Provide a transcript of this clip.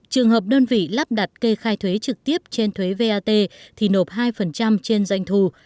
trường hợp đơn vị lắp đặt kê khai thuế trực tiếp trên thuế vat thì nộp hai trên doanh thu